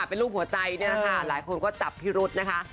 เป็นรูปหัวใจนี่แหละค่ะหลายคนก็จับพิรุษนะคะ